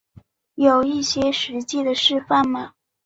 有一些实际的示范吗